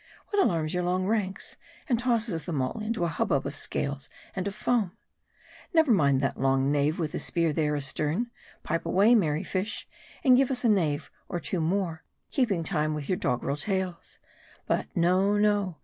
what alarms your long ranks, and tosses them all into a hubbub of scales and of foam ? Never mind that long knave with the spear there, astern. Pipe away, merry fish, and give us a stave or two more, keeping time with your doggerel tails. But no, no